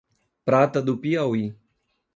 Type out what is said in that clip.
Prata do Piauí